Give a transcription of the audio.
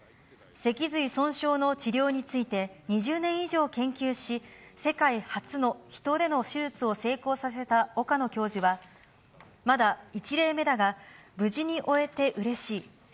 脊髄損傷の治療について、２０年以上研究し、世界初のヒトでの手術を成功させた岡野教授は、まだ１例目だが、無事に終えてうれしい。